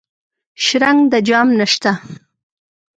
شرنګ د جام نشته